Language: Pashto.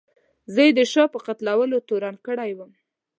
زه یې د شاه په قتلولو تورن کړی وم.